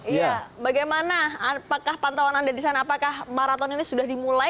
iya bagaimana apakah pantauan anda di sana apakah maraton ini sudah dimulai